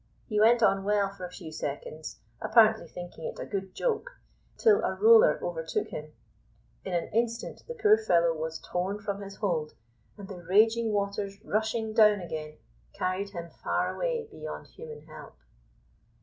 He went on well for a few seconds, apparently thinking it a good joke, till a roller overtook him. In an instant the poor fellow was torn from his hold, and the raging waters rushing down again carried him far away beyond human help.